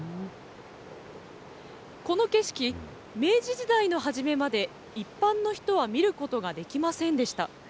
この景色、明治時代の初めまで一般の人は見ることができませんでした。